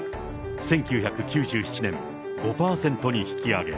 １９９７年、５％に引き上げ。